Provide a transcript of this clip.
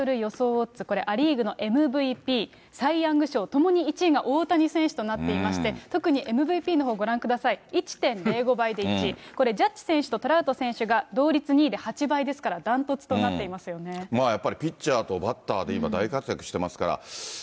オッズ、これ、ア・リーグのＭＶＰ、サイ・ヤング賞、ともに１位が大谷選手となってまして、特にＭＶＰのほうご覧ください、１．０５倍で１位、これジャッジ選手とトラウト選手が同率２位で８倍ですからダントやっぱりピッチャーとバッターで今大活躍してますから。